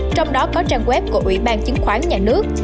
trong đó có trang web của ủy ban chứng khoán nhà nước